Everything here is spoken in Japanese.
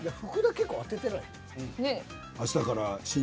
結構当ててない？